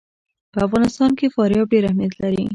په افغانستان کې فاریاب ډېر اهمیت لري.